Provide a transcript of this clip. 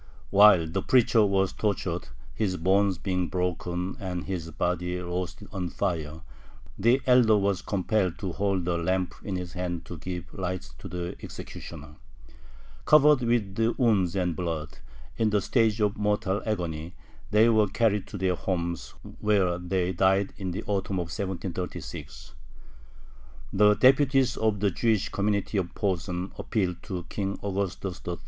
While the preacher was tortured, his bones being broken and his body roasted on fire, the elder was compelled to hold a lamp in his hand to give light to the executioner. Covered with wounds and blood, in the stage of mortal agony, they were carried to their homes, where they died in the autumn of 1736. The deputies of the Jewish community of Posen appealed to King Augustus III.